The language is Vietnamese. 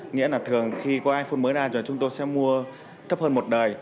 nghĩa là thường khi có iphone mới ra rồi chúng tôi sẽ mua thấp hơn một đời